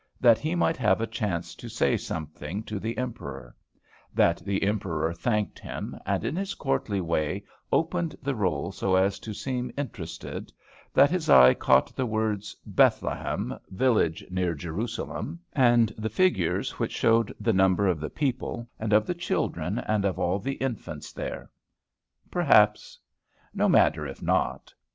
that he might have a chance to say something to the Emperor; that the Emperor thanked him, and, in his courtly way, opened the roll so as to seem interested; that his eye caught the words "Bethlehem village near Jerusalem," and the figures which showed the number of the people and of the children and of all the infants there. Perhaps. No matter if not.